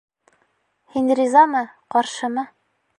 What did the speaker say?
Һин ризамы, ҡаршымы?